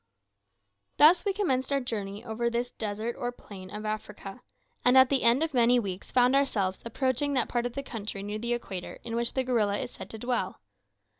Thus we commenced our journey over this desert or plain of Africa, and at the end of many weeks found ourselves approaching that part of the country near the equator in which the gorilla is said to dwell.